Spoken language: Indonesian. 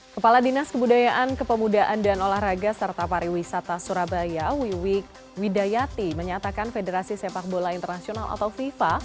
kepala dinas kebudayaan kepemudaan dan olahraga serta pariwisata surabaya wiwi widayati menyatakan federasi sepak bola internasional atau fifa